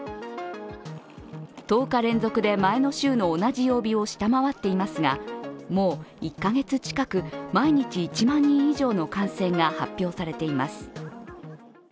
１０日連続で前の週の同じ曜日を下回っていますが、もう１カ月近く毎日１万人以上の感染が発表されています。